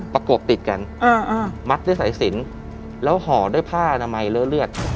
ประกบติดกันมัดด้วยสายสินแล้วห่อด้วยผ้าอนามัยเลอะเลือด